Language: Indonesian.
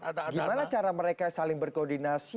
gimana cara mereka saling berkoordinasi